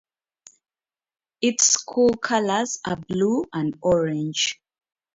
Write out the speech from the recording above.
Its school colors are blue and orange.